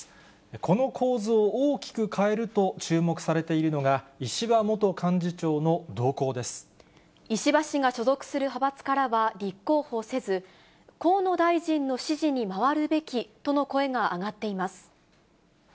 この構図を大きく変えると注目されているのが、石破元幹事長の動立候補せず、河野大臣の支持に回るべきとの声が上がっています。